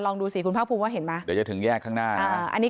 ดูสิคุณภาคภูมิว่าเห็นไหมเดี๋ยวจะถึงแยกข้างหน้า